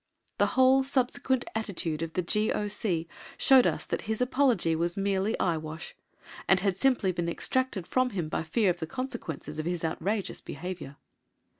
The whole subsequent attitude of the G.O.C. showed us that his apology was merely eye wash, and had simply been extracted from him by fear of the consequences of his outrageous behaviour.